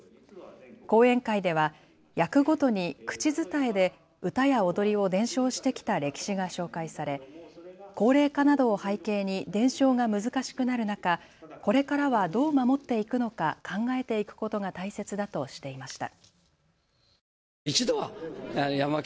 講演会では役ごとに口伝えで歌や踊りを伝承してきた歴史が紹介され高齢化などを背景に伝承が難しくなる中、これからはどう守っていくのか考えていくことが大切だとしていました。